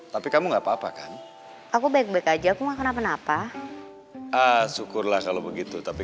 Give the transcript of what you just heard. tapi kamu nggak papa kan aku baik baik aja aku makan apa apa ah syukurlah kalau begitu tapi